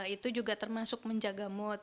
itu juga termasuk menjaga mood